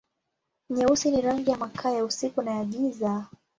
Nyeusi ni rangi na makaa, ya usiku na ya giza.